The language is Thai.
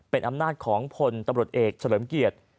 เป็นอำนาจของพลตำรวจเอกเฉลิมเกียรติ